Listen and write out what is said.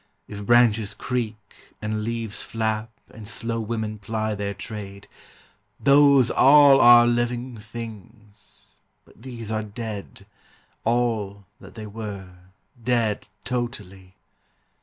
If branches creak And leaves flap and slow women ply their trade, Those all are living things, but these are dead, All that they were, dead totally.